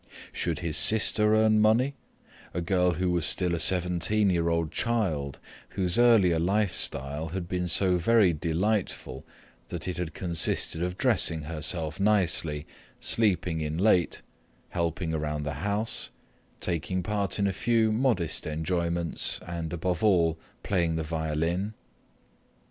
Should his sister earn money, a girl who was still a seventeen year old child whose earlier life style had been so very delightful that it had consisted of dressing herself nicely, sleeping in late, helping around the house, taking part in a few modest enjoyments and, above all, playing the violin?